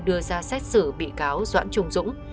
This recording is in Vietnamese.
đưa ra xét xử bị cáo doãn trung dũng